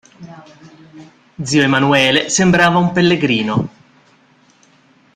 Zio Emanuele sembrava un pellegrino.